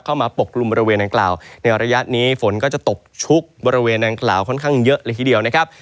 ปกกลุ่มบริเวณดังกล่าวในระยะนี้ฝนก็จะตกชุกบริเวณดังกล่าวค่อนข้างเยอะเลยทีเดียวนะครับ